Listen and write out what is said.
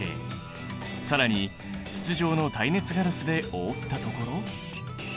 更に筒状の耐熱ガラスで覆ったところ。